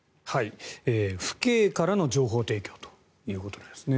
父兄からの情報提供ということのようですね。